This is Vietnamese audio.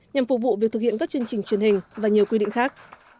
nhằm phục vụ việc thực hiện các chương trình truyền hình và nhiều quy định khác